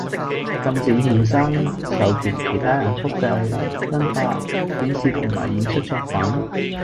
禁止衍生，授權其他人複製，分發，展示同埋演出作品